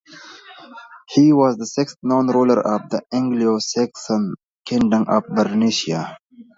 He was the sixth known ruler of the Anglo-Saxon kingdom of Bernicia.